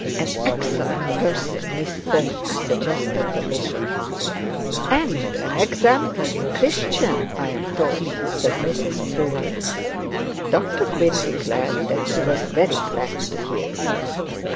'An excellent person, Miss Thorne,' suggested the bishop. 'An exemplary Christian, I am told,' said Mrs Proudie. Dr Gwynne declared that he was very glad to hear it.